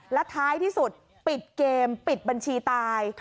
และท้ายที่สุดปิดเกมปิดบัญชีตาย